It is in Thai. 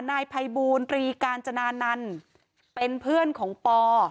นายภัยบูรตรีกาญจนานันต์เป็นเพื่อนของปอ